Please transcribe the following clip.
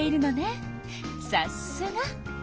さすが！